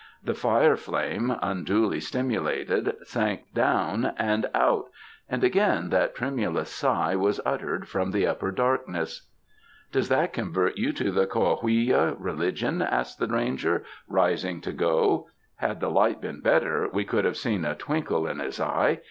The fire flame, unduly stimulated, sank down and out ; and again that tremulous sigh was uttered from the upper darkness. "Doesn't that convert you to the Coahuilla re ligion?" asked the ranger, rising to go — had the light been better we could have seen a twinkle in his eye.